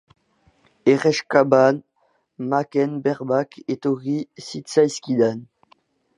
Erreskadan, Maken berbak etorri zitzaizkidan.